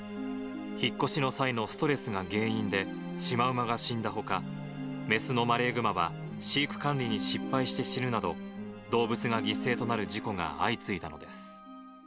引っ越しの際のストレスが原因でシマウマが死んだほか、雌のマレーグマは飼育管理に失敗して死ぬなど、動物が犠牲となる事故が相次いだのです。